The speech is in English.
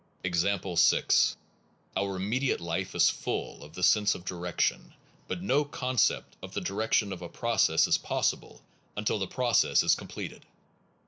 Example 6. Our immediate life is full of the sense of direction, but no concept of the direction of a process is possible until the process is com pleted.